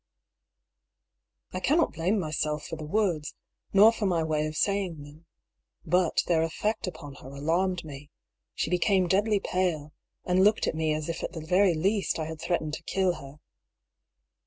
I cannot blame myself for the words, nor for my way of saying them. But their effect upon her alarmed me. She became deadly pale, and looked at me as if at the very least I had threatened to kill her.